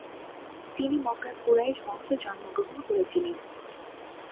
তিনি মক্কার কুরাইশ বংশে জন্মগ্রহণ করেছিলেন।